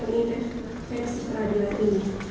mengintervensi peradilan ini